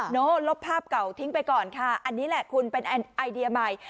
โน้ลบภาพเก่าทิ้งไปก่อนค่ะอันนี้แหละคุณเป็นไอเดียใหม่